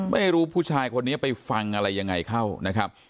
ไม่รู้ว่าผู้ชายคนนี้ไปฟังอะไรยังไงเข้านะครับ